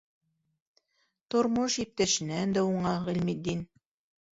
Тормош иптәшенән дә уңа Ғилметдин.